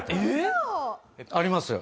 ありますよ